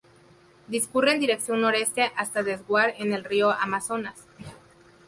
Discurre en dirección noreste hasta desaguar en el río Amazonas.